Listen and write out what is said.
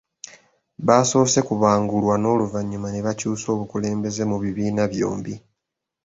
Baasoose kubangulwa n'oluvannyuma ne bakyusa obukulembeze mu bibiina byombi